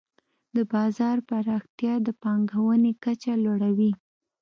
د بازار پراختیا د پانګونې کچه لوړوي.